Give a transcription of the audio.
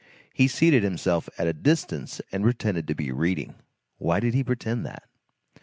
He seated himself at a distance and pretended to be reading; why did he pretend that?